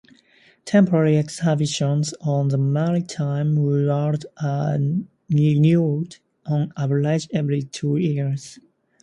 Temporary exhibitions on the maritime world are renewed on average every two years.